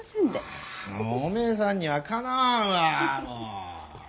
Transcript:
おめえさんにはかなわんわもう。